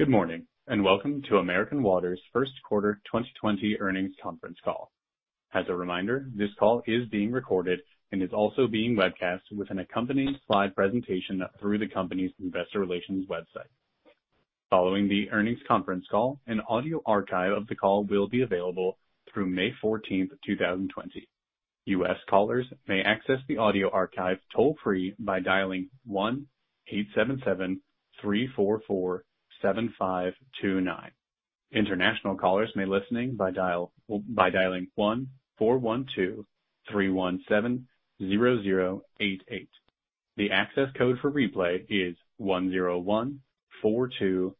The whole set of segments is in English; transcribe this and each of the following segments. Good morning, and welcome to American Water's first quarter 2020 earnings conference call. As a reminder, this call is being recorded and is also being webcast with an accompanying slide presentation through the company's investor relations website. Following the earnings conference call, an audio archive of the call will be available through May 14th, 2020. U.S. callers may access the audio archive toll-free by dialing 1-877-344-7529. International callers may listen by dialing 1-412-317-0088. The access code for replay is 10142727.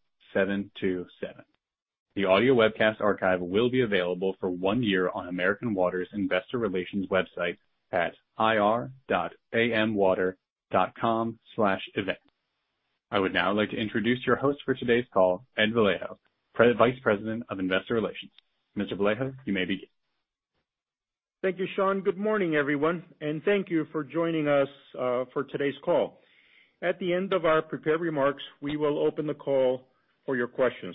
The audio webcast archive will be available for one year on American Water's investor relations website at ir.amwater.com/event. I would now like to introduce your host for today's call, Ed Vallejo, Vice President of Investor Relations. Mr. Vallejo, you may begin. Thank you, Sean. Good morning, everyone, and thank you for joining us for today's call. At the end of our prepared remarks, we will open the call for your questions.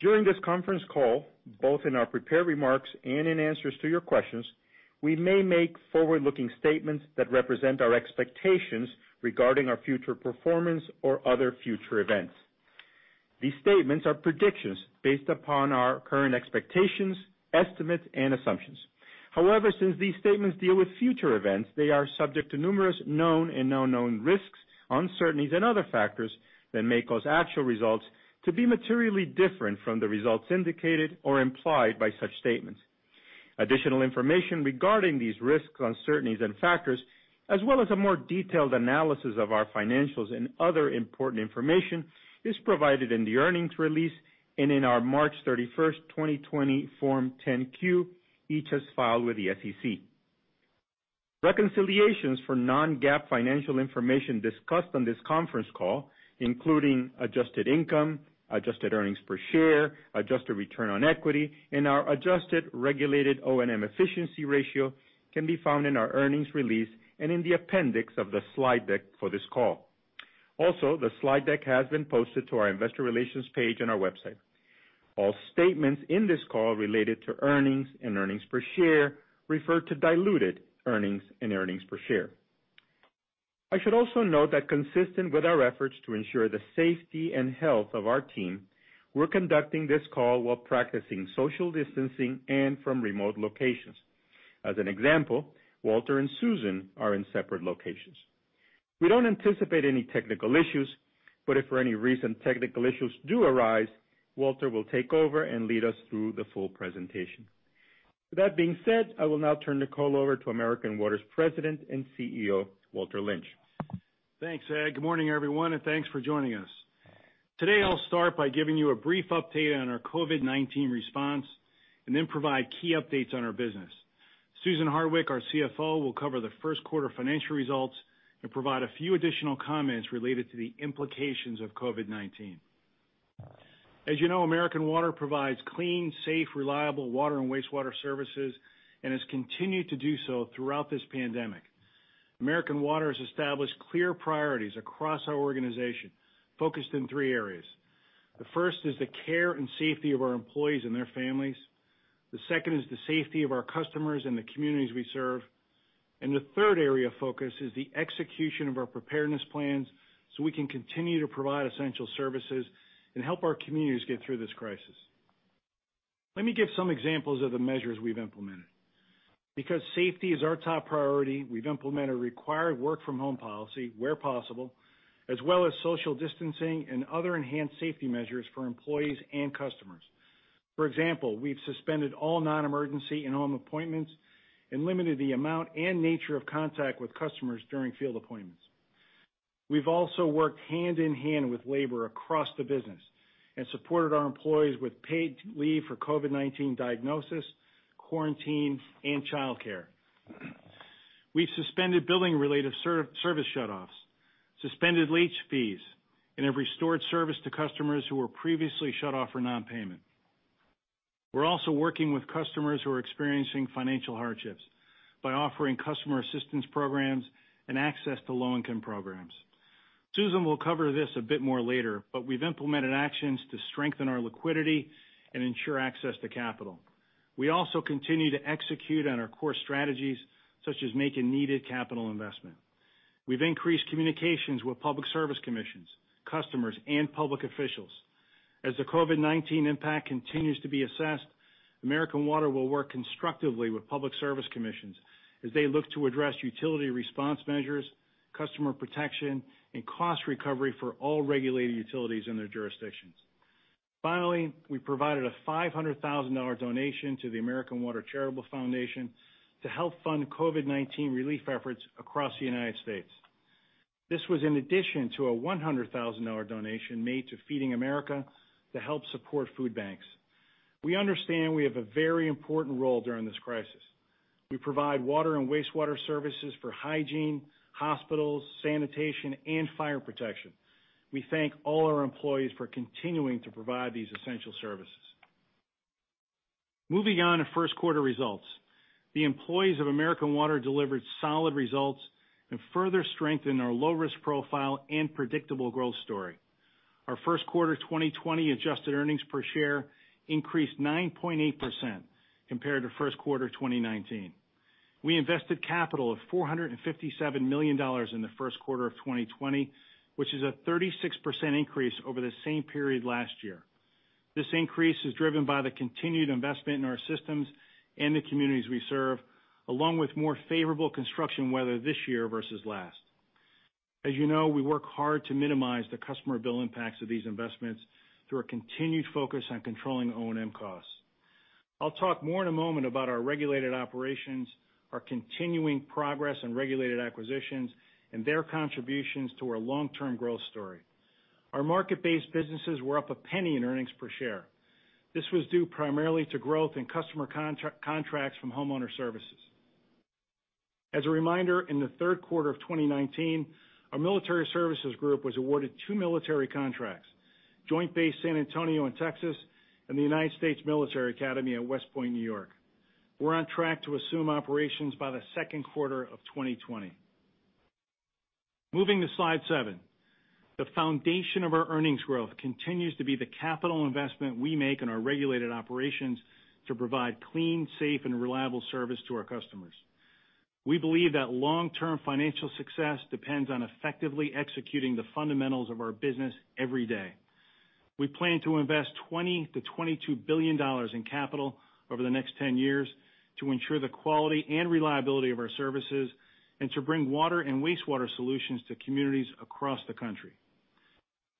During this conference call, both in our prepared remarks and in answers to your questions, we may make forward-looking statements that represent our expectations regarding our future performance or other future events. These statements are predictions based upon our current expectations, estimates, and assumptions. However, since these statements deal with future events, they are subject to numerous known and unknown risks, uncertainties, and other factors that may cause actual results to be materially different from the results indicated or implied by such statements. Additional information regarding these risks, uncertainties, and factors, as well as a more detailed analysis of our financials and other important information, is provided in the earnings release and in our March 31st, 2020 Form 10-Q, each as filed with the SEC. Reconciliations for non-GAAP financial information discussed on this conference call, including adjusted income, adjusted earnings per share, adjusted return on equity, and our adjusted regulated O&M efficiency ratio, can be found in our earnings release and in the appendix of the slide deck for this call. Also, the slide deck has been posted to our investor relations page on our website. All statements in this call related to earnings and earnings per share refer to diluted earnings and earnings per share. I should also note that consistent with our efforts to ensure the safety and health of our team, we're conducting this call while practicing social distancing and from remote locations. As an example, Walter and Susan are in separate locations. We don't anticipate any technical issues, but if for any reason technical issues do arise, Walter will take over and lead us through the full presentation. With that being said, I will now turn the call over to American Water's President and CEO, Walter Lynch. Thanks, Ed. Good morning, everyone, thanks for joining us. Today, I'll start by giving you a brief update on our COVID-19 response, then provide key updates on our business. Susan Hardwick, our CFO, will cover the first quarter financial results and provide a few additional comments related to the implications of COVID-19. As you know, American Water provides clean, safe, reliable water and wastewater services and has continued to do so throughout this pandemic. American Water has established clear priorities across our organization, focused in three areas. The first is the care and safety of our employees and their families. The second is the safety of our customers and the communities we serve. The third area of focus is the execution of our preparedness plans so we can continue to provide essential services and help our communities get through this crisis. Let me give some examples of the measures we've implemented. Because safety is our top priority, we've implemented a required work-from-home policy where possible, as well as social distancing and other enhanced safety measures for employees and customers. For example, we've suspended all non-emergency in-home appointments and limited the amount and nature of contact with customers during field appointments. We've also worked hand-in-hand with labor across the business and supported our employees with paid leave for COVID-19 diagnosis, quarantine, and childcare. We've suspended billing-related service shutoffs, suspended late fees, and have restored service to customers who were previously shut off for non-payment. We're also working with customers who are experiencing financial hardships by offering customer assistance programs and access to low-income programs. Susan will cover this a bit more later, but we've implemented actions to strengthen our liquidity and ensure access to capital. We also continue to execute on our core strategies, such as making needed capital investment. We've increased communications with public service commissions, customers, and public officials. As the COVID-19 impact continues to be assessed, American Water will work constructively with public service commissions as they look to address utility response measures, customer protection, and cost recovery for all regulated utilities in their jurisdictions. Finally, we provided a $500,000 donation to the American Water Charitable Foundation to help fund COVID-19 relief efforts across the U.S. This was in addition to a $100,000 donation made to Feeding America to help support food banks. We understand we have a very important role during this crisis. We provide water and wastewater services for hygiene, hospitals, sanitation, and fire protection. We thank all our employees for continuing to provide these essential services. Moving on to first quarter results. The employees of American Water delivered solid results and further strengthened our low-risk profile and predictable growth story. Our first quarter 2020 adjusted earnings per share increased 9.8% compared to first quarter 2019. We invested capital of $457 million in the first quarter of 2020, which is a 36% increase over the same period last year. This increase is driven by the continued investment in our systems and the communities we serve, along with more favorable construction weather this year versus last. As you know, we work hard to minimize the customer bill impacts of these investments through our continued focus on controlling O&M costs. I'll talk more in a moment about our regulated operations, our continuing progress in regulated acquisitions, and their contributions to our long-term growth story. Our market-based businesses were up $0.01 in earnings per share. This was due primarily to growth in customer contracts from Homeowner Services. As a reminder, in the third quarter of 2019, our military services group was awarded two military contracts: Joint Base San Antonio in Texas and the United States Military Academy at West Point, N.Y. We're on track to assume operations by the second quarter of 2020. Moving to slide seven. The foundation of our earnings growth continues to be the capital investment we make in our regulated operations to provide clean, safe, and reliable service to our customers. We believe that long-term financial success depends on effectively executing the fundamentals of our business every day. We plan to invest $20 billion-$22 billion in capital over the next 10 years to ensure the quality and reliability of our services, and to bring water and wastewater solutions to communities across the country.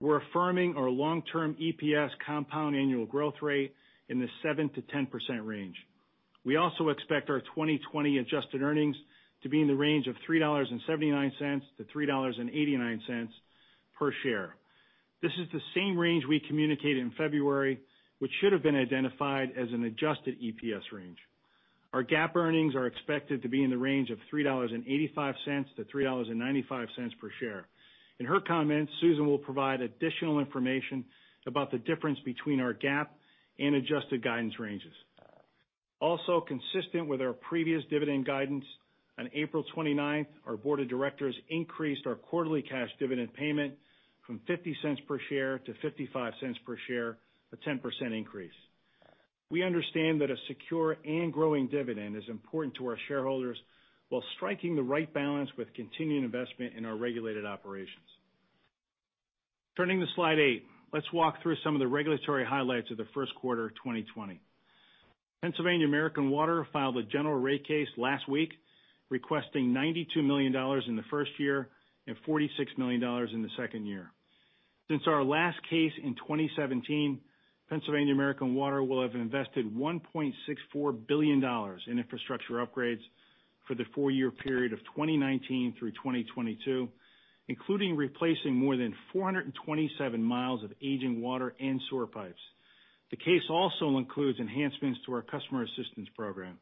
We're affirming our long-term EPS compound annual growth rate in the 7%-10% range. We also expect our 2020 adjusted earnings to be in the range of $3.79-$3.89 per share. This is the same range we communicated in February, which should have been identified as an adjusted EPS range. Our GAAP earnings are expected to be in the range of $3.85-$3.95 per share. In her comments, Susan will provide additional information about the difference between our GAAP and adjusted guidance ranges. Also, consistent with our previous dividend guidance, on April 29th, our board of directors increased our quarterly cash dividend payment from $0.50 per share to $0.55 per share, a 10% increase. We understand that a secure and growing dividend is important to our shareholders while striking the right balance with continuing investment in our regulated operations. Turning to slide eight. Let's walk through some of the regulatory highlights of the first quarter 2020. Pennsylvania American Water filed a general rate case last week, requesting $92 million in the first year and $46 million in the second year. Since our last case in 2017, Pennsylvania American Water will have invested $1.64 billion in infrastructure upgrades for the four-year period of 2019 through 2022, including replacing more than 427 mi of aging water and sewer pipes. The case also includes enhancements to our customer assistance program.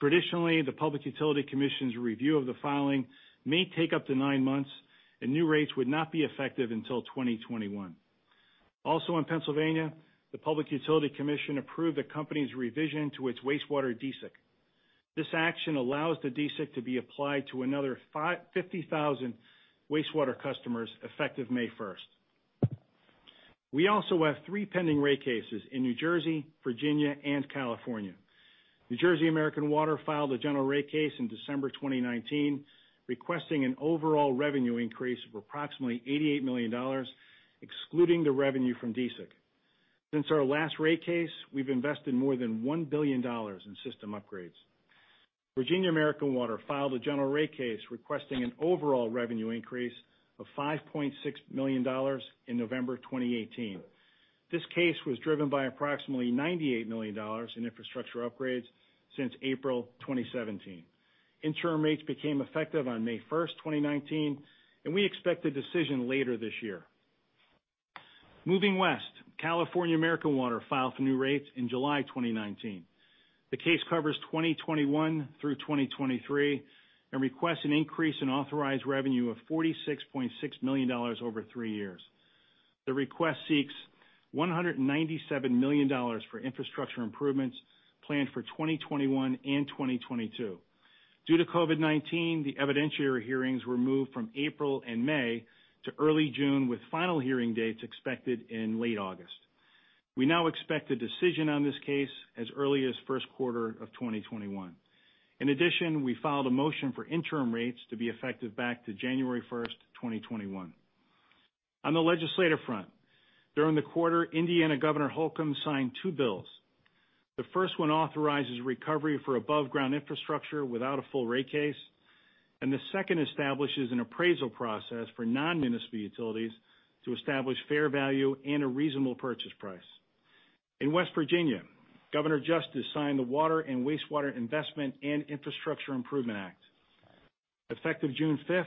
Traditionally, the Public Utility Commission's review of the filing may take up to nine months, and new rates would not be effective until 2021. In Pennsylvania, the Public Utility Commission approved the company's revision to its wastewater DSIC. This action allows the DSIC to be applied to another 50,000 wastewater customers effective May 1st. We also have three pending rate cases in New Jersey, Virginia, and California. New Jersey American Water filed a general rate case in December 2019, requesting an overall revenue increase of approximately $88 million, excluding the revenue from DSIC. Since our last rate case, we've invested more than $1 billion in system upgrades. Virginia American Water filed a general rate case requesting an overall revenue increase of $5.6 million in November 2018. This case was driven by approximately $98 million in infrastructure upgrades since April 2017. Interim rates became effective on May 1st, 2019, and we expect a decision later this year. Moving west, California American Water filed for new rates in July 2019. The case covers 2021 through 2023 and requests an increase in authorized revenue of $46.6 million over three years. The request seeks $197 million for infrastructure improvements planned for 2021 and 2022. Due to COVID-19, the evidentiary hearings were moved from April and May to early June, with final hearing dates expected in late August. We now expect a decision on this case as early as the first quarter of 2021. In addition, we filed a motion for interim rates to be effective back to January 1st, 2021. On the legislative front, during the quarter, Indiana Governor Holcomb signed two bills. The first one authorizes recovery for above-ground infrastructure without a full rate case, and the second establishes an appraisal process for non-municipal utilities to establish fair value and a reasonable purchase price. In West Virginia, Governor Justice signed the Water and Wastewater Investment and Infrastructure Improvement Act. Effective June 5th,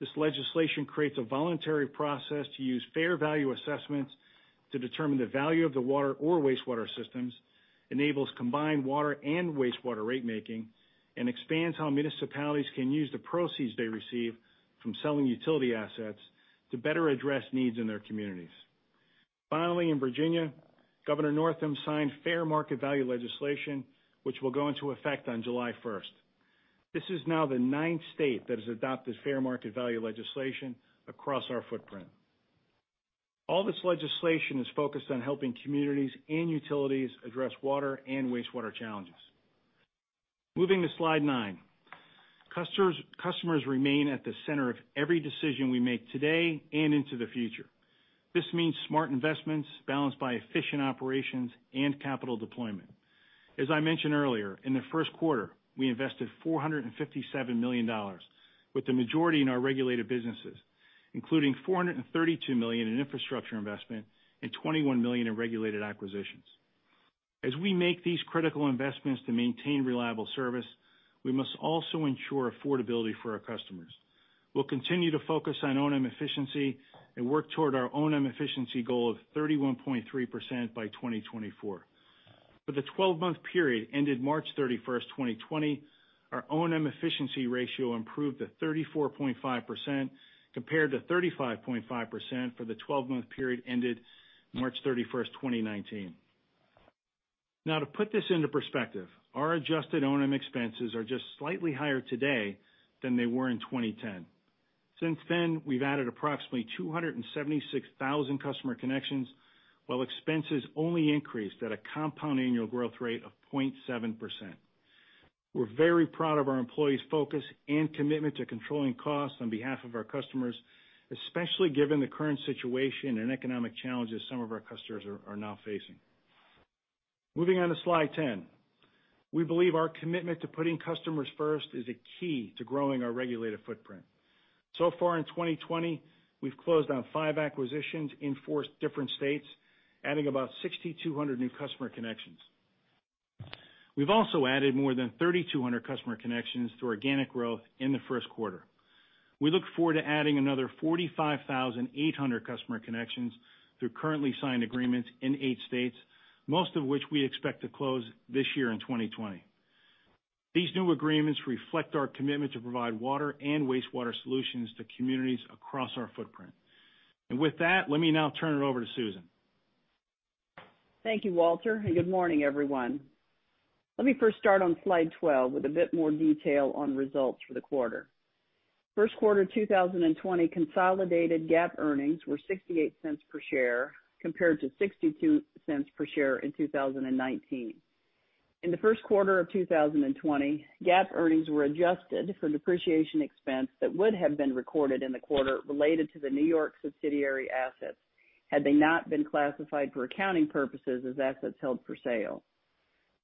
this legislation creates a voluntary process to use fair value assessments to determine the value of the water or wastewater systems, enables combined water and wastewater rate making, and expands how municipalities can use the proceeds they receive from selling utility assets to better address needs in their communities. Finally, in Virginia, Governor Northam signed fair market value legislation, which will go into effect on July 1st. This is now the ninth state that has adopted fair market value legislation across our footprint. All this legislation is focused on helping communities and utilities address water and wastewater challenges. Moving to slide nine. Customers remain at the center of every decision we make today and into the future. This means smart investments balanced by efficient operations and capital deployment. As I mentioned earlier, in the first quarter, we invested $457 million, with the majority in our regulated businesses, including $432 million in infrastructure investment and $21 million in regulated acquisitions. As we make these critical investments to maintain reliable service, we must also ensure affordability for our customers. We'll continue to focus on O&M efficiency and work toward our O&M efficiency goal of 31.3% by 2024. For the 12-month period ended March 31st, 2020, our O&M efficiency ratio improved to 34.5%, compared to 35.5% for the 12-month period ended March 31st, 2019. Now to put this into perspective, our adjusted O&M expenses are just slightly higher today than they were in 2010. Since then, we've added approximately 276,000 customer connections, while expenses only increased at a compound annual growth rate of 0.7%. We're very proud of our employees' focus and commitment to controlling costs on behalf of our customers, especially given the current situation and economic challenges some of our customers are now facing. Moving on to slide 10. We believe our commitment to putting customers first is a key to growing our regulated footprint. Far in 2020, we've closed on five acquisitions in four different states, adding about 6,200 new customer connections. We've also added more than 3,200 customer connections through organic growth in the first quarter. We look forward to adding another 45,800 customer connections through currently signed agreements in eight states, most of which we expect to close this year in 2020. These new agreements reflect our commitment to provide water and wastewater solutions to communities across our footprint. With that, let me now turn it over to Susan. Thank you, Walter, and good morning, everyone. Let me first start on slide 12 with a bit more detail on results for the quarter. First quarter 2020 consolidated GAAP earnings were $0.68 per share, compared to $0.62 per share in 2019. In the first quarter of 2020, GAAP earnings were adjusted for depreciation expense that would have been recorded in the quarter related to the New York subsidiary assets had they not been classified for accounting purposes as assets held for sale.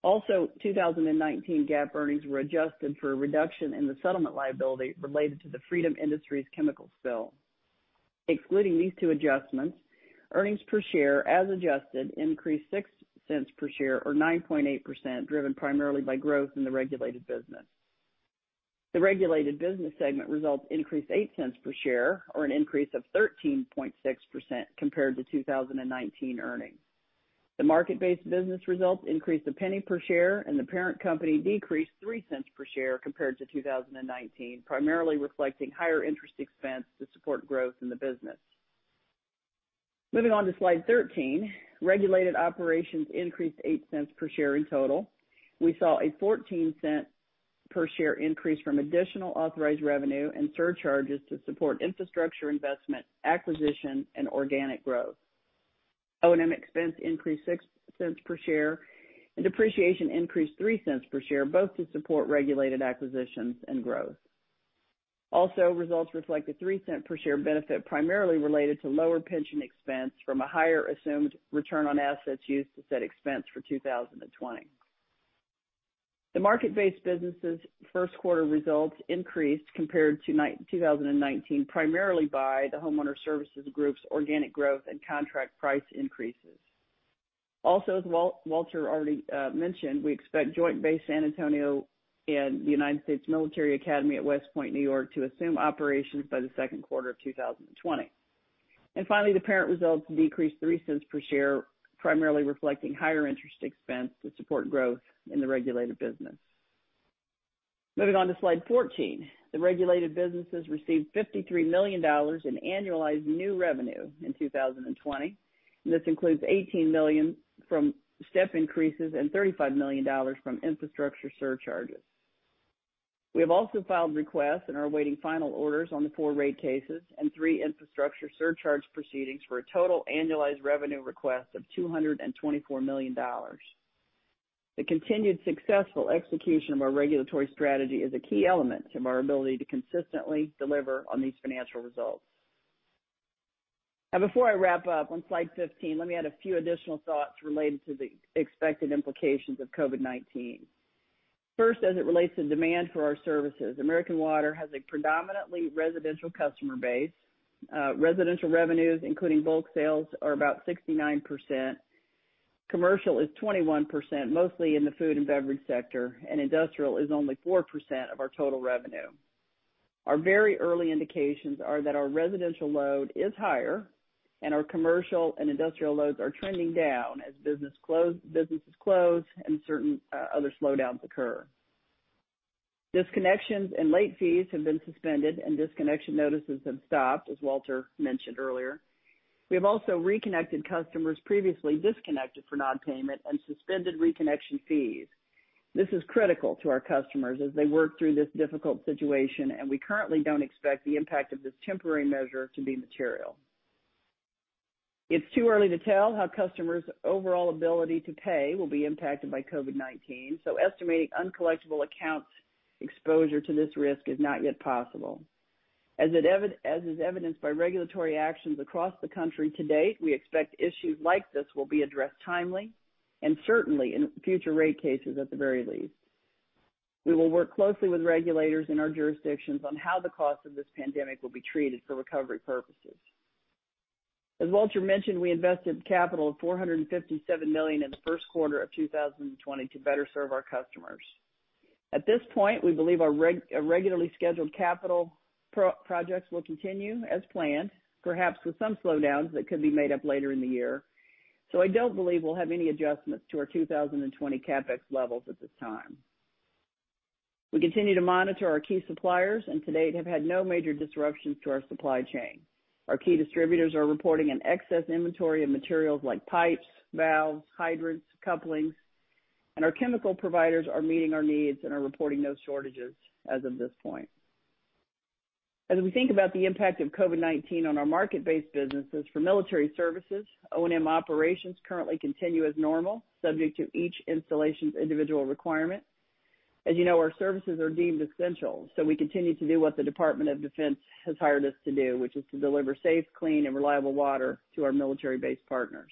Also, 2019 GAAP earnings were adjusted for a reduction in the settlement liability related to the Freedom Industries chemical spill. Excluding these two adjustments, earnings per share as adjusted increased $0.06 per share or 9.8%, driven primarily by growth in the regulated business. The regulated business segment results increased $0.08 per share or an increase of 13.6% compared to 2019 earnings. The market-based business results increased $0.01 per share, and the parent company decreased $0.03 per share compared to 2019, primarily reflecting higher interest expense to support growth in the business. Moving on to slide 13. Regulated operations increased $0.08 per share in total. We saw a $0.14 per share increase from additional authorized revenue and surcharges to support infrastructure investment, acquisition, and organic growth. O&M expense increased $0.06 per share, and depreciation increased $0.03 per share, both to support regulated acquisitions and growth. Also, results reflect a $0.03 per share benefit primarily related to lower pension expense from a higher assumed return on assets used to set expense for 2020. The market-based businesses' first quarter results increased compared to 2019, primarily by the Homeowner Services Group's organic growth and contract price increases. Also, as Walter already mentioned, we expect Joint Base San Antonio and the United States Military Academy at West Point, N.Y. to assume operations by the second quarter of 2020. Finally, the parent results decreased $0.03 per share, primarily reflecting higher interest expense to support growth in the regulated business. Moving on to slide 14. The regulated businesses received $53 million in annualized new revenue in 2020, and this includes $18 million from step increases and $35 million from infrastructure surcharges. We have also filed requests and are awaiting final orders on the four rate cases and three infrastructure surcharge proceedings for a total annualized revenue request of $224 million. The continued successful execution of our regulatory strategy is a key element of our ability to consistently deliver on these financial results. Now, before I wrap up, on slide 15, let me add a few additional thoughts related to the expected implications of COVID-19. First, as it relates to demand for our services, American Water has a predominantly residential customer base. Residential revenues, including bulk sales, are about 69%. Commercial is 21%, mostly in the food and beverage sector, and industrial is only 4% of our total revenue. Our very early indications are that our residential load is higher and our commercial and industrial loads are trending down as businesses close and certain other slowdowns occur. Disconnections and late fees have been suspended, and disconnection notices have stopped, as Walter mentioned earlier. We have also reconnected customers previously disconnected for non-payment and suspended reconnection fees. This is critical to our customers as they work through this difficult situation, and we currently don't expect the impact of this temporary measure to be material. It's too early to tell how customers' overall ability to pay will be impacted by COVID-19, so estimating uncollectible accounts exposure to this risk is not yet possible. As is evidenced by regulatory actions across the country to date, we expect issues like this will be addressed timely and certainly in future rate cases at the very least. We will work closely with regulators in our jurisdictions on how the cost of this pandemic will be treated for recovery purposes. As Walter mentioned, we invested capital of $457 million in the first quarter of 2020 to better serve our customers. At this point, we believe our regularly scheduled capital projects will continue as planned, perhaps with some slowdowns that could be made up later in the year. I don't believe we'll have any adjustments to our 2020 CapEx levels at this time. We continue to monitor our key suppliers, and to date have had no major disruptions to our supply chain. Our key distributors are reporting an excess inventory of materials like pipes, valves, hydrants, couplings, and our chemical providers are meeting our needs and are reporting no shortages as of this point. As we think about the impact of COVID-19 on our market-based businesses for military services, O&M operations currently continue as normal, subject to each installation's individual requirement. As you know, our services are deemed essential, so we continue to do what the Department of Defense has hired us to do, which is to deliver safe, clean and reliable water to our military-based partners.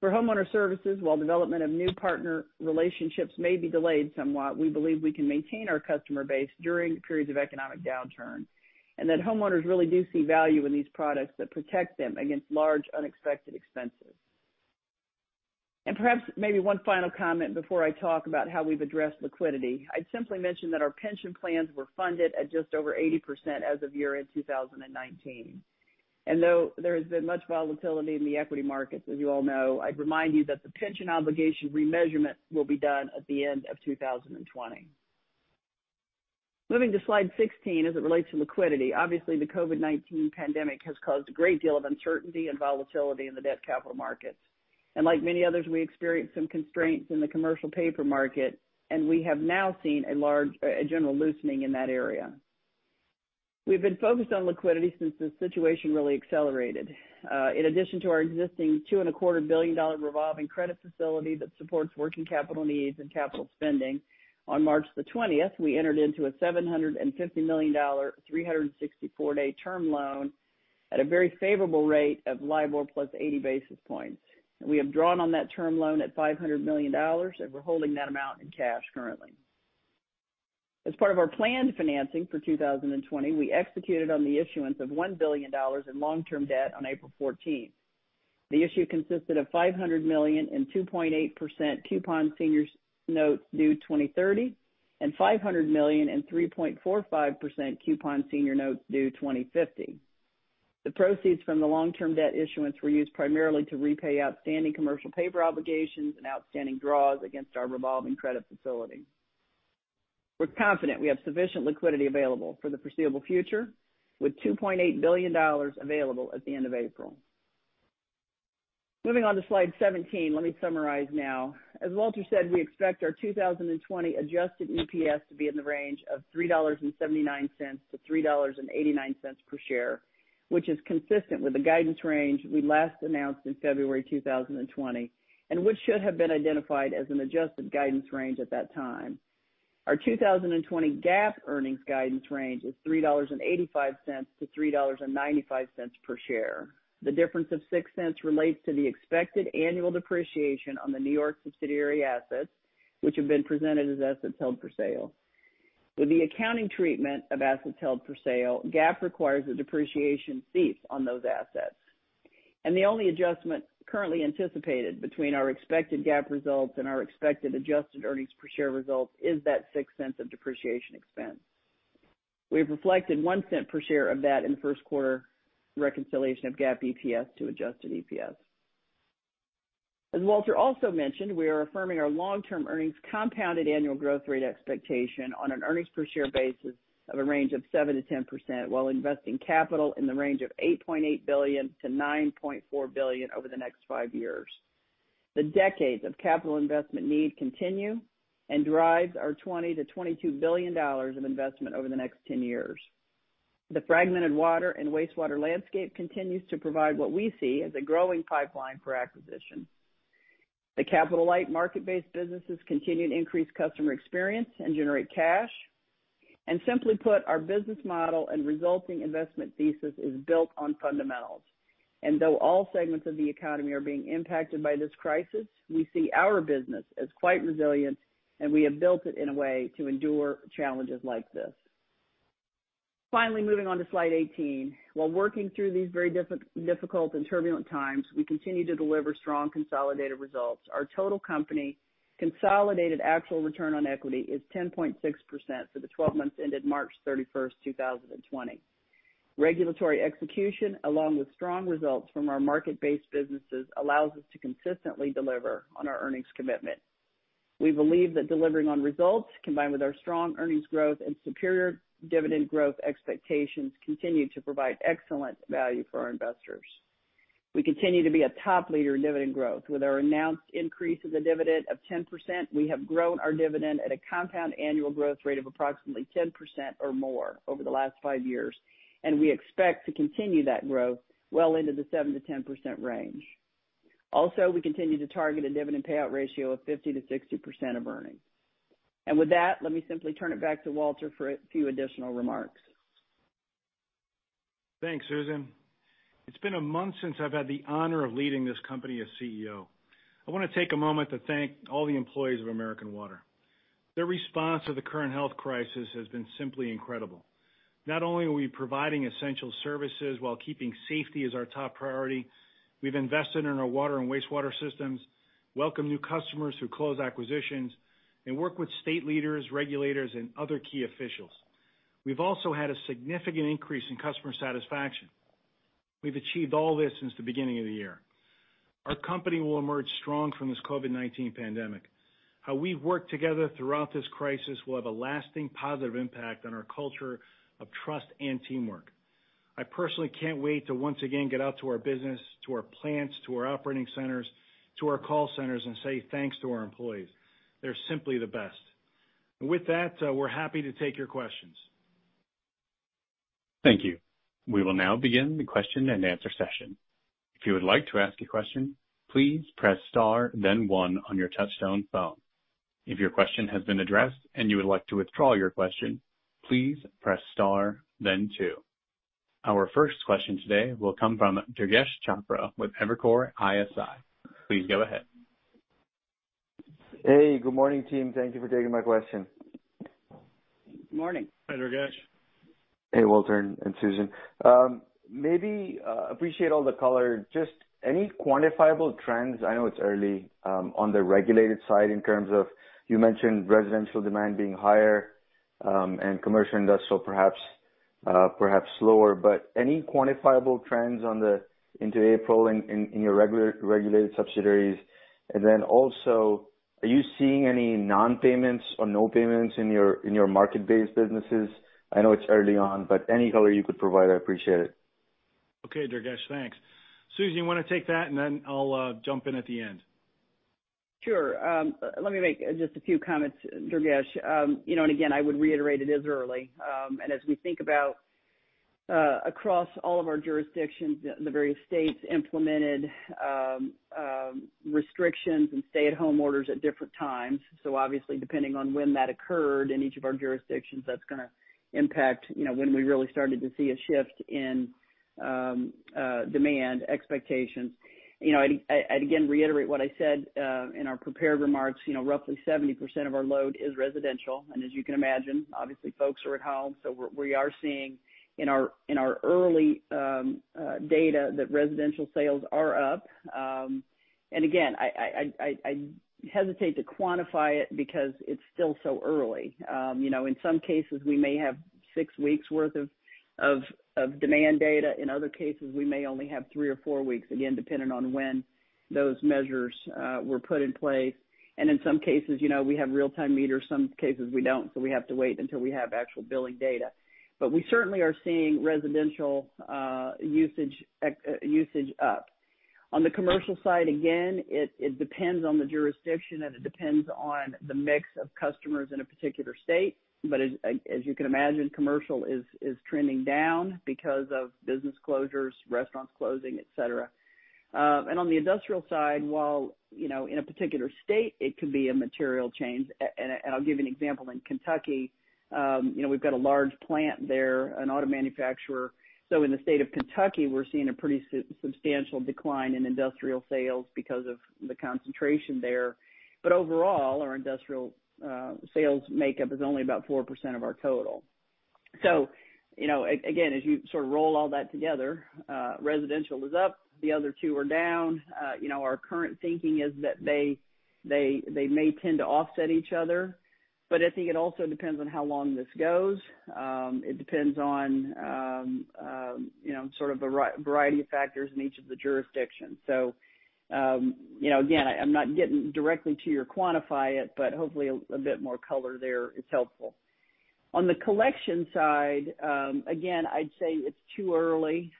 For Homeowner Services, while development of new partner relationships may be delayed somewhat, we believe we can maintain our customer base during periods of economic downturn, and that homeowners really do see value in these products that protect them against large, unexpected expenses. Perhaps maybe one final comment before I talk about how we've addressed liquidity. I'd simply mention that our pension plans were funded at just over 80% as of year-end 2019. Though there has been much volatility in the equity markets, as you all know, I'd remind you that the pension obligation remeasurement will be done at the end of 2020. Moving to slide 16 as it relates to liquidity. Obviously, the COVID-19 pandemic has caused a great deal of uncertainty and volatility in the debt capital markets. Like many others, we experienced some constraints in the commercial paper market, and we have now seen a general loosening in that area. We've been focused on liquidity since this situation really accelerated. In addition to our existing $2.25 billion revolving credit facility that supports working capital needs and capital spending, on March the 20th, we entered into a $750 million 364-day term loan at a very favorable rate of LIBOR plus 80 basis points. We have drawn on that term loan at $500 million, and we're holding that amount in cash currently. As part of our planned financing for 2020, we executed on the issuance of $1 billion in long-term debt on April 14th. The issue consisted of $500 million in 2.8% coupon senior notes due 2030, and $500 million in 3.45% coupon senior notes due 2050. The proceeds from the long-term debt issuance were used primarily to repay outstanding commercial paper obligations and outstanding draws against our revolving credit facility. We're confident we have sufficient liquidity available for the foreseeable future, with $2.8 billion available at the end of April. Moving on to slide 17. Let me summarize now. As Walter said, we expect our 2020 adjusted EPS to be in the range of $3.79-$3.89 per share, which is consistent with the guidance range we last announced in February 2020, and which should have been identified as an adjusted guidance range at that time. Our 2020 GAAP earnings guidance range is $3.85-$3.95 per share. The difference of $0.06 relates to the expected annual depreciation on the New York subsidiary assets, which have been presented as assets held for sale. With the accounting treatment of assets held for sale, GAAP requires a depreciation cease on those assets. The only adjustment currently anticipated between our expected GAAP results and our expected adjusted earnings per share results is that $0.06 of depreciation expense. We've reflected $0.01 per share of that in first quarter reconciliation of GAAP EPS to adjusted EPS. As Walter also mentioned, we are affirming our long-term earnings compounded annual growth rate expectation on an earnings per share basis of a range of 7%-10% while investing capital in the range of $8.8 billion-$9.4 billion over the next five years. The decades of capital investment need continue and drives our $20 billion-$22 billion of investment over the next 10 years. The fragmented water and wastewater landscape continues to provide what we see as a growing pipeline for acquisition. The capital-light market-based businesses continue to increase customer experience and generate cash. Simply put, our business model and resulting investment thesis is built on fundamentals. Though all segments of the economy are being impacted by this crisis, we see our business as quite resilient, and we have built it in a way to endure challenges like this. Finally, moving on to slide 18. While working through these very difficult and turbulent times, we continue to deliver strong consolidated results. Our total company consolidated actual return on equity is 10.6% for the 12 months ended March 31st, 2020. Regulatory execution, along with strong results from our market-based businesses, allows us to consistently deliver on our earnings commitment. We believe that delivering on results, combined with our strong earnings growth and superior dividend growth expectations, continue to provide excellent value for our investors. We continue to be a top leader in dividend growth. With our announced increase of the dividend of 10%, we have grown our dividend at a compound annual growth rate of approximately 10% or more over the last five years, and we expect to continue that growth well into the 7%-10% range. We continue to target a dividend payout ratio of 50%-60% of earnings. With that, let me simply turn it back to Walter for a few additional remarks. Thanks, Susan. It's been a month since I've had the honor of leading this company as CEO. I want to take a moment to thank all the employees of American Water. Their response to the current health crisis has been simply incredible. Not only are we providing essential services while keeping safety as our top priority, we've invested in our water and wastewater systems, welcomed new customers through closed acquisitions, and worked with state leaders, regulators, and other key officials. We've also had a significant increase in customer satisfaction. We've achieved all this since the beginning of the year. Our company will emerge strong from this COVID-19 pandemic. How we've worked together throughout this crisis will have a lasting positive impact on our culture of trust and teamwork. I personally can't wait to once again get out to our business, to our plants, to our operating centers, to our call centers and say thanks to our employees. They're simply the best. With that, we're happy to take your questions. Thank you. We will now begin the question and answer session. If you would like to ask a question, please press star then one on your touchtone phone. If your question has been addressed and you would like to withdraw your question, please press star then two. Our first question today will come from Durgesh Chopra with Evercore ISI. Please go ahead. Hey, good morning, team. Thank you for taking my question. Morning. Hi, Durgesh. Hey, Walter and Susan. Appreciate all the color. Just any quantifiable trends, I know it's early, on the regulated side in terms of you mentioned residential demand being higher, and commercial industrial perhaps slower, but any quantifiable trends into April in your regulated subsidiaries? Also, are you seeing any non-payments or no payments in your market-based businesses? I know it's early on, any color you could provide, I appreciate it. Okay, Durgesh, thanks. Susan, you want to take that and then I'll jump in at the end. Sure. Let me make just a few comments, Durgesh. Again, I would reiterate it is early. As we think about across all of our jurisdictions, the various states implemented restrictions and stay-at-home orders at different times. Obviously, depending on when that occurred in each of our jurisdictions, that's going to impact when we really started to see a shift in demand expectations. I'd again reiterate what I said in our prepared remarks, roughly 70% of our load is residential, and as you can imagine, obviously folks are at home. We are seeing in our early data that residential sales are up. Again, I hesitate to quantify it because it's still so early. In some cases, we may have six weeks worth of demand data. In other cases, we may only have three or four weeks, again, depending on when those measures were put in place. In some cases, we have real-time meters, some cases we don't, so we have to wait until we have actual billing data. We certainly are seeing residential usage up. On the commercial side, again, it depends on the jurisdiction and it depends on the mix of customers in a particular state. As you can imagine, commercial is trending down because of business closures, restaurants closing, et cetera. On the industrial side, while in a particular state it could be a material change, and I'll give you an example. In Kentucky we've got a large plant there, an auto manufacturer. In the state of Kentucky, we're seeing a pretty substantial decline in industrial sales because of the concentration there. Overall, our industrial sales makeup is only about 4% of our total. Again, as you sort of roll all that together, residential is up, the other two are down. Our current thinking is that they may tend to offset each other, but I think it also depends on how long this goes. It depends on sort of a variety of factors in each of the jurisdictions. Again, I'm not getting directly to your quantify it, but hopefully a bit more color there is helpful. On the collection side, again, I'd say it's too early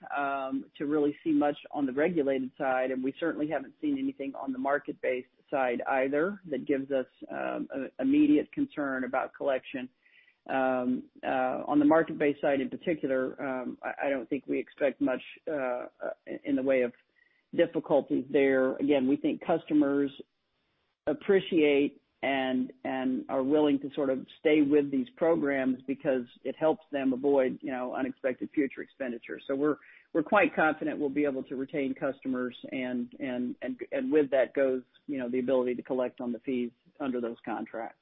to really see much on the regulated side, and we certainly haven't seen anything on the market-based side either that gives us immediate concern about collection. On the market-based side in particular, I don't think we expect much in the way of difficulties there. We think customers appreciate and are willing to sort of stay with these programs because it helps them avoid unexpected future expenditures. We're quite confident we'll be able to retain customers and with that goes the ability to collect on the fees under those contracts.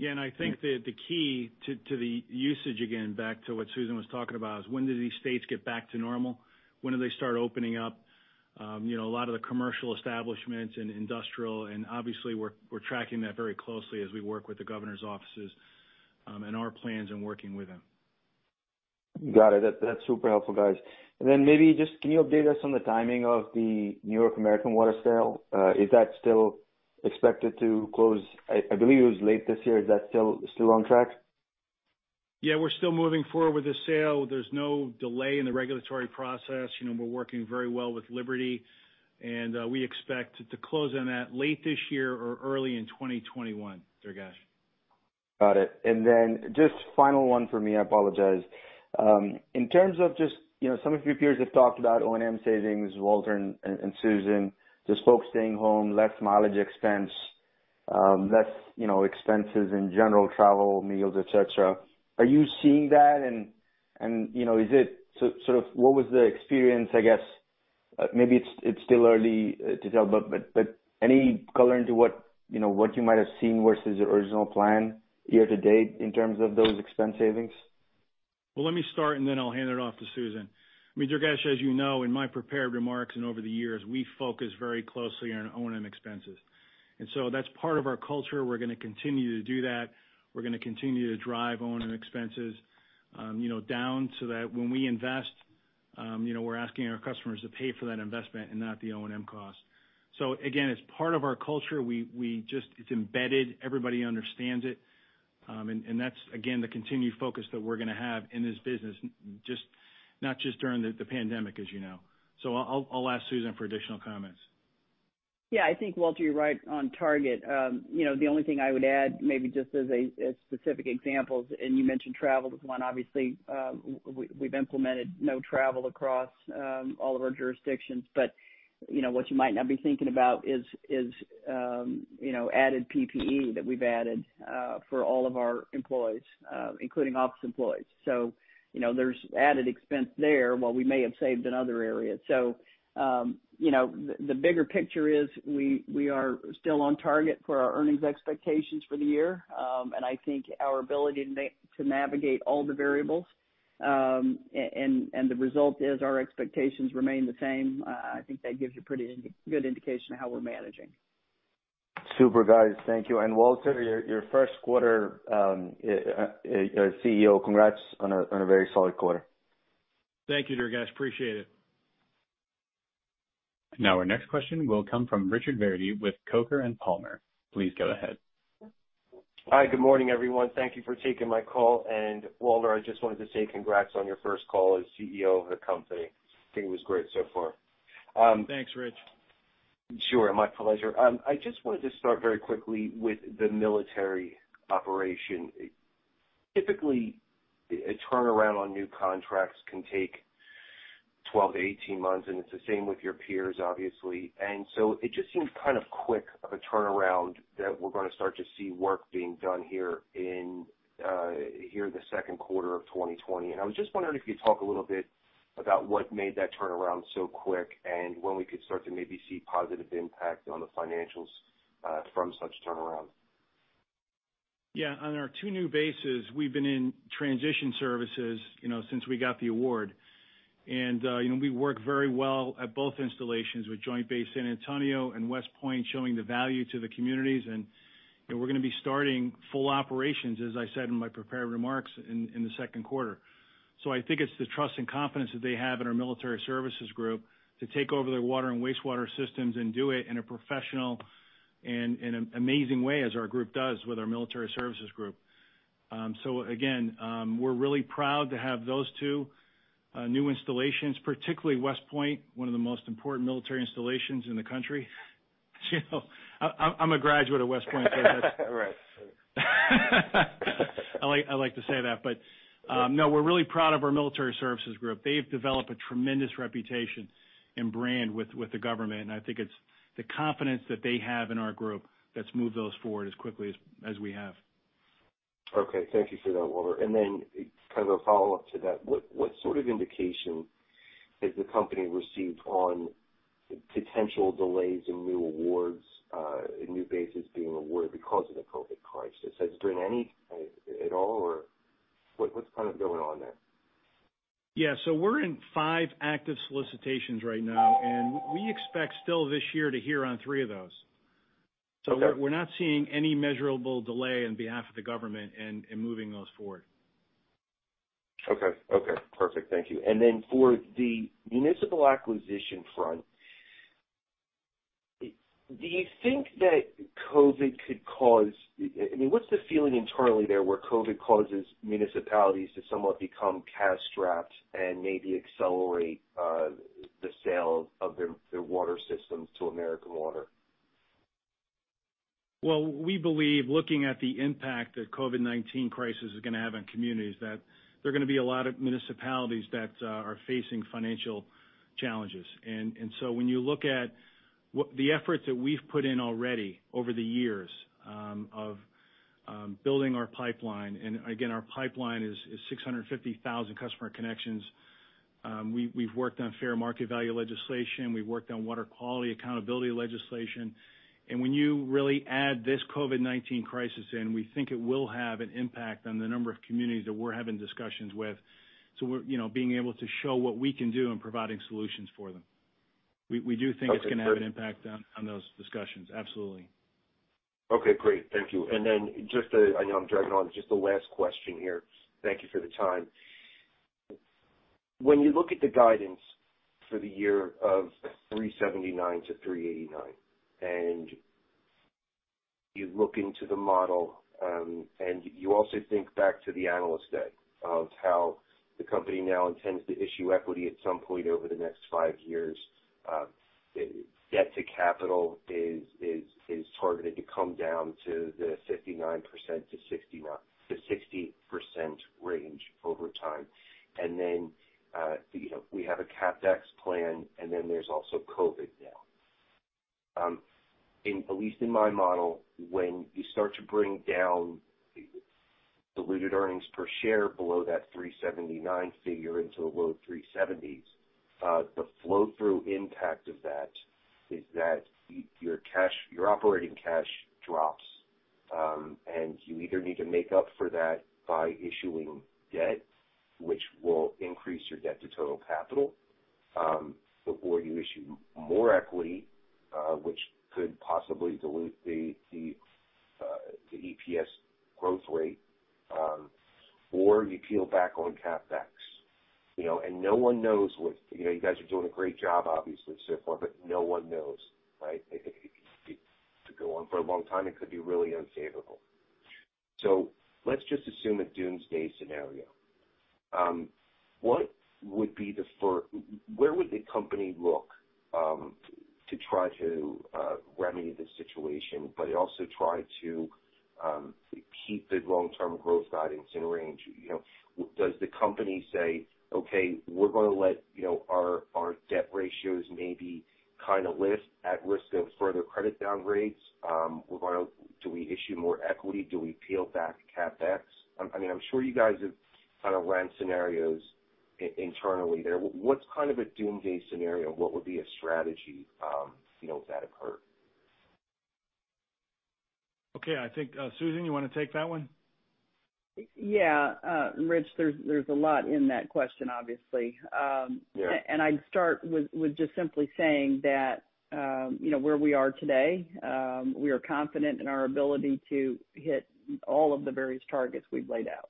I think the key to the usage, again, back to what Susan was talking about, is when do these states get back to normal? When do they start opening up? A lot of the commercial establishments and industrial, obviously we're tracking that very closely as we work with the Governor's offices and our plans in working with them. Got it. That's super helpful, guys. Maybe just can you update us on the timing of the New York American Water sale? Is that still expected to close, I believe it was late this year. Is that still on track? Yeah, we're still moving forward with the sale. There's no delay in the regulatory process. We're working very well with Liberty, and we expect to close on that late this year or early in 2021, Durgesh. Got it. Then just final one for me, I apologize. In terms of just some of your peers have talked about O&M savings, Walter and Susan, just folks staying home, less mileage expense, less expenses in general, travel, meals, et cetera. Are you seeing that? What was the experience, I guess, maybe it's still early to tell, but any color into what you might have seen versus your original plan year to date in terms of those expense savings? Well, let me start, then I'll hand it off to Susan. Durgesh, as you know, in my prepared remarks and over the years, we focus very closely on O&M expenses. That's part of our culture. We're going to continue to do that. We're going to continue to drive O&M expenses down so that when we invest, we're asking our customers to pay for that investment and not the O&M cost. Again, it's part of our culture. It's embedded, everybody understands it. That's, again, the continued focus that we're going to have in this business, not just during the pandemic, as you know. I'll ask Susan for additional comments. I think, Walter, you're right on target. The only thing I would add maybe just as specific examples, and you mentioned travel is one, obviously. We've implemented no travel across all of our jurisdictions. What you might not be thinking about is added PPE that we've added for all of our employees, including office employees. There's added expense there while we may have saved in other areas. The bigger picture is we are still on target for our earnings expectations for the year. I think our ability to navigate all the variables, and the result is our expectations remain the same. I think that gives you a pretty good indication of how we're managing. Super, guys. Thank you. Walter, your first quarter as CEO, congrats on a very solid quarter. Thank you, Durgesh, appreciate it. Now our next question will come from Richard Verdi with Coker & Palmer. Please go ahead. Hi, good morning, everyone. Thank you for taking my call. Walter, I just wanted to say congrats on your first call as CEO of the company. I think it was great so far. Thanks, Rich. Sure, my pleasure. I just wanted to start very quickly with the military operation. Typically, a turnaround on new contracts can take 12-18 months, and it's the same with your peers, obviously. It just seems quick of a turnaround that we're going to start to see work being done here in the second quarter of 2020. I was just wondering if you'd talk a little bit about what made that turnaround so quick and when we could start to maybe see positive impact on the financials from such turnaround. Yeah, on our two new bases, we've been in transition services since we got the award. We work very well at both installations with Joint Base San Antonio and West Point showing the value to the communities, and we're going to be starting full operations, as I said in my prepared remarks, in the second quarter. I think it's the trust and confidence that they have in our military services group to take over their water and wastewater systems and do it in a professional and an amazing way as our group does with our military services group. Again, we're really proud to have those two new installations, particularly West Point, one of the most important military installations in the country. I'm a graduate of West Point. Right. I like to say that, but no, we're really proud of our military services group. They've developed a tremendous reputation and brand with the government, and I think it's the confidence that they have in our group that's moved those forward as quickly as we have. Thank you for that, Walter. A follow-up to that, what sort of indication has the company received on potential delays in new awards, new bases being awarded because of the COVID crisis? Has there been any at all, or what's going on there? Yeah, we're in five active solicitations right now, and we expect still this year to hear on three of those. Okay. We're not seeing any measurable delay on behalf of the government in moving those forward. Okay. Perfect. Thank you. For the municipal acquisition front, do you think that COVID what's the feeling internally there where COVID causes municipalities to somewhat become cash-strapped and maybe accelerate the sale of their water systems to American Water? Well, we believe looking at the impact that COVID-19 crisis is going to have on communities, that there are going to be a lot of municipalities that are facing financial challenges. When you look at the efforts that we've put in already over the years of building our pipeline, again, our pipeline is 650,000 customer connections. We've worked on fair market value legislation, we've worked on water quality accountability legislation. When you really add this COVID-19 crisis in, we think it will have an impact on the number of communities that we're having discussions with. We're being able to show what we can do in providing solutions for them. We do think it's going to have an impact on those discussions. Absolutely. Okay, great. Thank you. Just, I know I'm dragging on, just the last question here. Thank you for the time. When you look at the guidance for the year of $3.79-$3.89, and you look into the model, and you also think back to the analyst day of how the company now intends to issue equity at some point over the next five years. Debt to capital is targeted to come down to the 59%-60% range over time. Then we have a CapEx plan, and then there's also COVID now. At least in my model, when you start to bring down the diluted earnings per share below that $3.79 figure into the low $3.70s, the flow-through impact of that is that your operating cash drops. You either need to make up for that by issuing debt, which will increase your debt to total capital, or you issue more equity, which could possibly dilute the EPS growth rate, or you peel back on CapEx. No one knows what you guys are doing a great job, obviously, so far, but no one knows, right? It could go on for a long time, it could be really unfavorable. Let's just assume a doomsday scenario. Where would the company look to try to remedy the situation, but also try to keep the long-term growth guidance in range? Does the company say, "Okay, we're going to let our debt ratios maybe kind of lift at risk of further credit downgrades? Do we issue more equity? Do we peel back CapEx?" I'm sure you guys have kind of ran scenarios internally there. What's kind of a doomsday scenario? What would be a strategy if that occurred? Okay. I think, Susan, you want to take that one? Yeah. Rich, there's a lot in that question, obviously. Yeah. I'd start with just simply saying that where we are today, we are confident in our ability to hit all of the various targets we've laid out.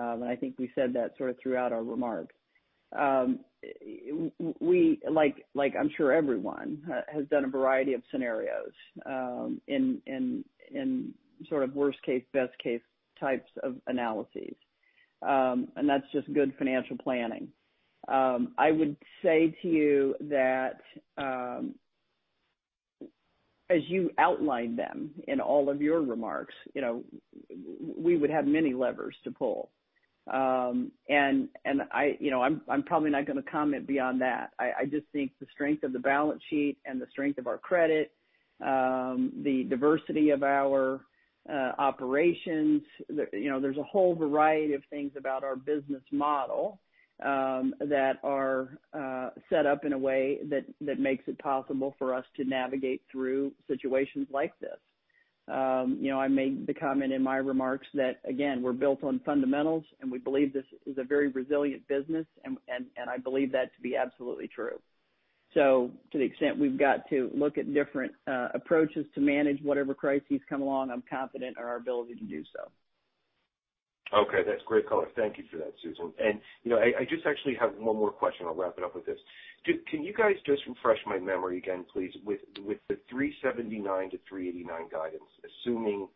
I think we said that sort of throughout our remarks. We, like I'm sure everyone, has done a variety of scenarios in sort of worst case/best case types of analyses. That's just good financial planning. I would say to you that, as you outlined them in all of your remarks, we would have many levers to pull. I'm probably not going to comment beyond that. I just think the strength of the balance sheet and the strength of our credit, the diversity of our operations, there's a whole variety of things about our business model that are set up in a way that makes it possible for us to navigate through situations like this. I made the comment in my remarks that, again, we're built on fundamentals, and we believe this is a very resilient business, and I believe that to be absolutely true. To the extent we've got to look at different approaches to manage whatever crises come along, I'm confident in our ability to do so. Okay. That's great color. Thank you for that, Susan. I just actually have one more question. I'll wrap it up with this. Can you guys just refresh my memory again, please, with the 379-389 guidance, assuming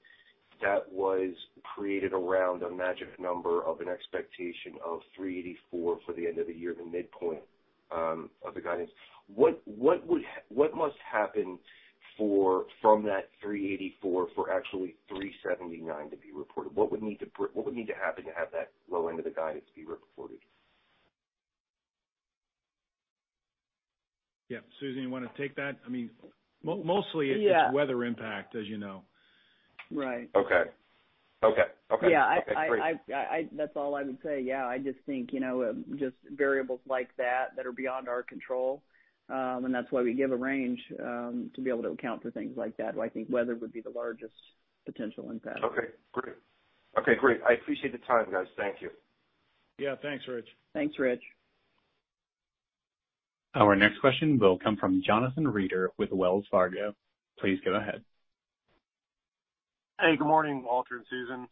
that was created around a magic number of an expectation of 384 for the end of the year, the midpoint of the guidance. What must happen from that 384 for actually 379 to be reported? What would need to happen to have that low end of the guidance be reported? Yeah. Susan, you want to take that? Mostly it's weather impact, as you know. Right. Okay. Great. That's all I would say. Yeah, I just think just variables like that are beyond our control. That's why we give a range, to be able to account for things like that, where I think weather would be the largest potential impact. Okay, great. I appreciate the time, guys. Thank you. Yeah. Thanks, Rich. Thanks, Rich. Our next question will come from Jonathan Reeder with Wells Fargo. Please go ahead. Hey, good morning, Walter and Susan.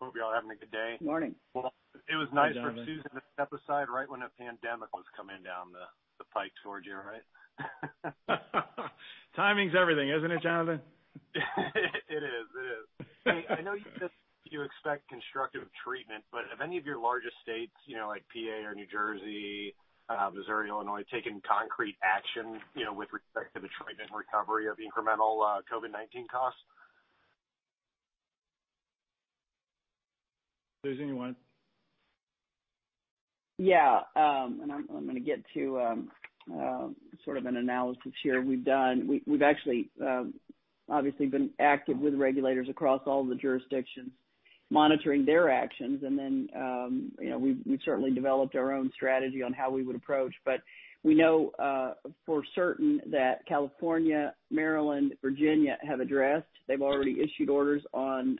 Hope you're all having a good day. Morning. Well, it was nice for Susan to step aside right when a pandemic was coming down the pike towards you, right? Timing's everything, isn't it, Jonathan? It is. I know you said you expect constructive treatment, but have any of your largest states, like PA or New Jersey, Missouri, Illinois, taken concrete action with respect to the treatment and recovery of incremental COVID-19 costs? Susan, you want it? Yeah. I'm going to get to sort of an analysis here we've done. We've actually obviously been active with regulators across all the jurisdictions, monitoring their actions. We've certainly developed our own strategy on how we would approach. We know for certain that California, Maryland, Virginia have addressed. They've already issued orders on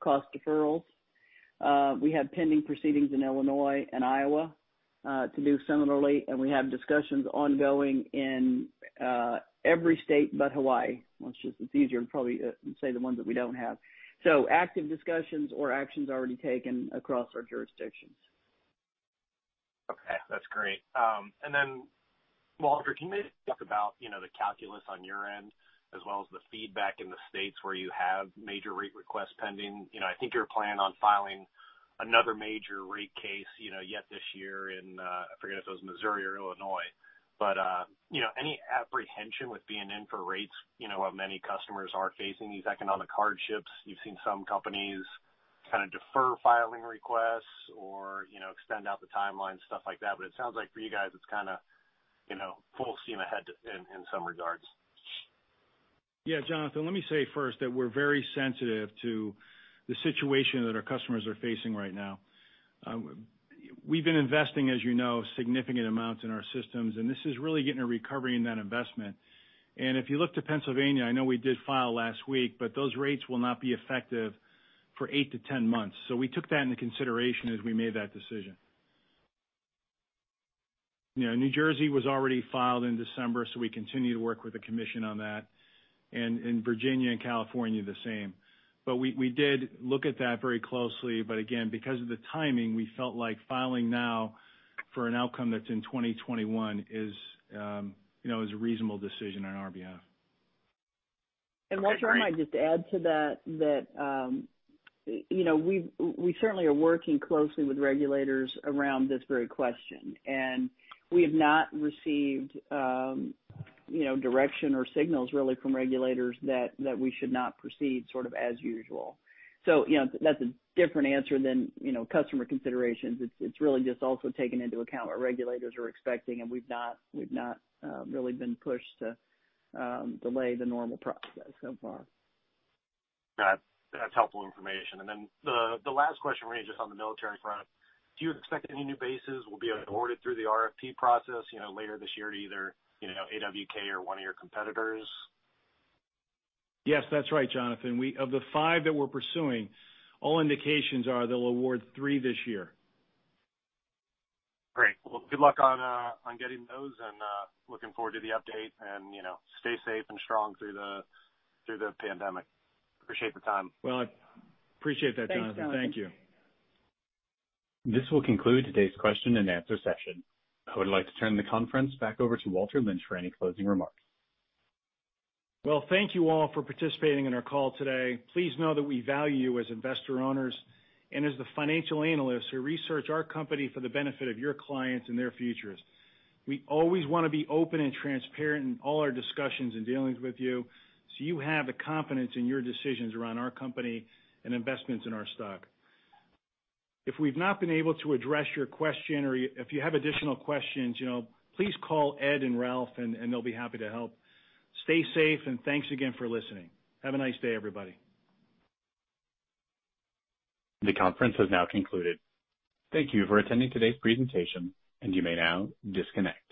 cost deferrals. We have pending proceedings in Illinois and Iowa to do similarly. We have discussions ongoing in every state but Hawaii. It's just easier to probably say the ones that we don't have. Active discussions or actions already taken across our jurisdictions. Okay, that's great. Walter, can you talk about the calculus on your end as well as the feedback in the states where you have major rate requests pending? I think you're planning on filing another major rate case yet this year in, I forget if it was Missouri or Illinois. Any apprehension with being in for rates while many customers are facing these economic hardships? You've seen some companies kind of defer filing requests or extend out the timeline, stuff like that. It sounds like for you guys, it's kind of full steam ahead in some regards. Jonathan, let me say first that we're very sensitive to the situation that our customers are facing right now. We've been investing, as you know, significant amounts in our systems, and this is really getting a recovery in that investment. If you look to Pennsylvania, I know we did file last week, but those rates will not be effective for 8-10 months. We took that into consideration as we made that decision. New Jersey was already filed in December, we continue to work with the commission on that, and in Virginia and California, the same. We did look at that very closely. Again, because of the timing, we felt like filing now for an outcome that's in 2021 is a reasonable decision on our behalf. Walter, if I might just add to that we certainly are working closely with regulators around this very question, and we have not received direction or signals really from regulators that we should not proceed sort of as usual. That's a different answer than customer considerations. It's really just also taking into account what regulators are expecting, and we've not really been pushed to delay the normal process so far. That's helpful information. Then the last question really just on the military front, do you expect any new bases will be awarded through the RFP process later this year to either AWK or one of your competitors? Yes, that's right, Jonathan. Of the five that we're pursuing, all indications are they'll award three this year. Great. Well, good luck on getting those and looking forward to the update and stay safe and strong through the pandemic. Appreciate your time. Well, I appreciate that, Jonathan. Thank you. Thanks, Jonathan. This will conclude today's question and answer session. I would like to turn the conference back over to Walter Lynch for any closing remarks. Well, thank you all for participating in our call today. Please know that we value you as investor-owners and as the financial analysts who research our company for the benefit of your clients and their futures. We always want to be open and transparent in all our discussions and dealings with you, so you have the confidence in your decisions around our company and investments in our stock. If we've not been able to address your question or if you have additional questions, please call Ed and Ralph, and they'll be happy to help. Stay safe. Thanks again for listening. Have a nice day, everybody. The conference has now concluded. Thank you for attending today's presentation, and you may now disconnect.